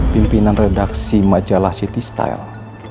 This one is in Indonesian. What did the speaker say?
pimpinan redaksi majalah city style